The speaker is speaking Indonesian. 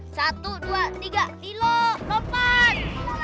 satu dua tiga lilo lompat